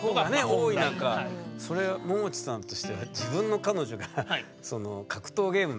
それももちさんとしては自分の彼女が格闘ゲーム